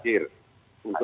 karena anggaran ini pasti hadir